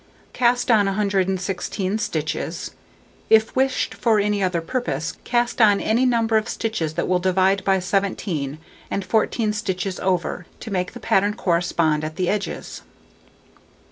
Cast on 116 stitches; if wished for any other purpose, cast on any number of stitches that will divide by 17, and 14 stitches over, to make the pattern correspond at the edges.